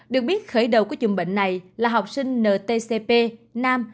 được biết khởi đầu của dùng bệnh này là học sinh ntcp nam